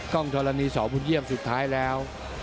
ธรณีสอบุญเยี่ยมสุดท้ายแล้ว